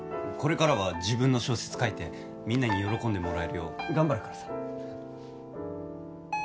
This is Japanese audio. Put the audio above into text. これからは自分の小説書いてみんなに喜んでもらえるよう頑張るからさ。